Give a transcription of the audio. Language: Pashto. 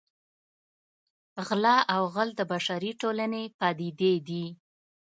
غلا او غل د بشري ټولنې پدیدې دي